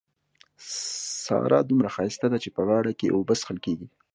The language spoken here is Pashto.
سارا دومره ښايسته ده چې په غاړه کې يې اوبه څښل کېږي.